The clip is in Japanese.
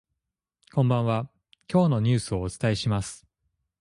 こんばんは、今日のニュースをお伝えします。